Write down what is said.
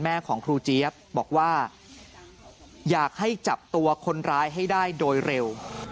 ของครูเจี๊ยบบอกว่าอยากให้จับตัวคนร้ายให้ได้โดยเร็ว